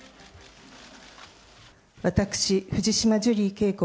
私、藤島ジュリー景子